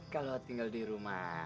kalau tinggal di rumah